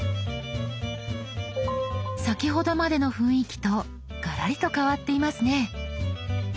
先ほどまでの雰囲気とガラリと変わっていますね。